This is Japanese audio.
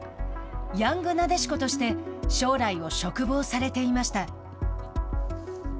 ヤングなでしことして将来を嘱望されていました。